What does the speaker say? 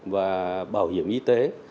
và bảo hiểm it